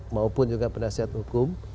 maupun juga penasihat hukum